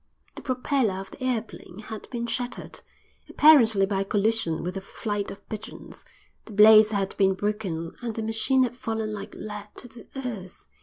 The propeller of the airplane had been shattered, apparently by a collision with a flight of pigeons; the blades had been broken and the machine had fallen like lead to the earth.